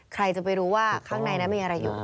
ใครจะไปรู้ว่าข้างในนั้นมีอะไรอยู่